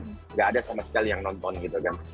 tidak ada sama sekali yang nonton gitu kan